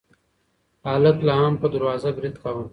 هلک لا هم په دروازه برید کاوه.